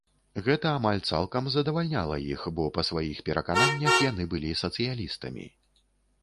Гэта амаль цалкам задавальняла іх, бо па сваіх перакананнях яны былі сацыялістамі.